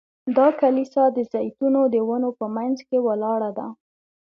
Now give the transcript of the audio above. دا کلیسا د زیتونو د ونو په منځ کې ولاړه ده.